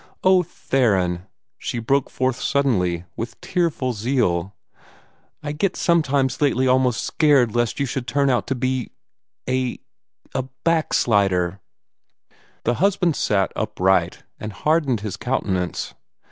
Oh, Theron!" she broke forth suddenly, with tearful zeal, "I get sometimes lately almost scared lest you should turn out to be a a BACKSLIDER!" The husband sat upright, and hardened his countenance.